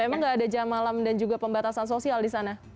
emang gak ada jam malam dan juga pembatasan sosial di sana